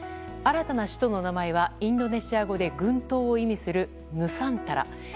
新たな首都の名前はインドネシア語で群島を意味するヌサンタラ。